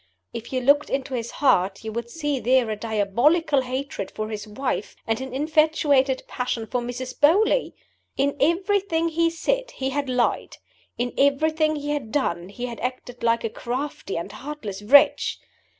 If you looked into his heart, you would see there a diabolical hatred for his wife and an infatuated passion for Mrs. Beauly! In everything he had said he had lied; in everything he had done he had acted like a crafty and heartless wretch!